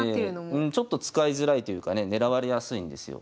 うんちょっと使いづらいというかね狙われやすいんですよ。